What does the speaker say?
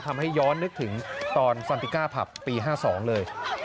ทำให้ย้อนนึกถึงตอนสันติก้าผับปี๕๒เลย